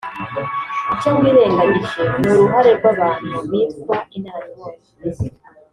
Icyo wirengangije n’uruhare rw’abantu bitwa (inararibonye